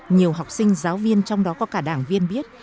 nhiều học sinh giáo viên trong đó có cả đảng viên biết